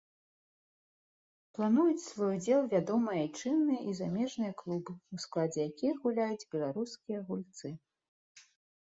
Плануюць свой удзел вядомыя айчынныя і замежныя клубы, у складзе якіх гуляюць беларускія гульцы.